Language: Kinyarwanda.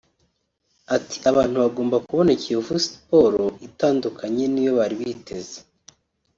Ati “Abantu bagomba kubona Kiyovu Sports itandukanye n’iyo bari biteze